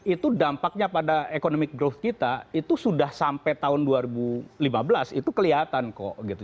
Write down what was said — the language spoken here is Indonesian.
itu dampaknya pada economic growth kita itu sudah sampai tahun dua ribu lima belas itu kelihatan kok gitu